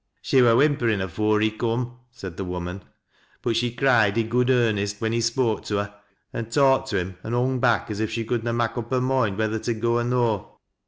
" She wur whimperin' afore he coom," said the woman, " but she cried i' good earnest when he spoke to her, an' talked to him an' hung back as if she could na mak' up her moind whether to go or no.